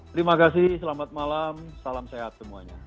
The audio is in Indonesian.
terima kasih selamat malam salam sehat semuanya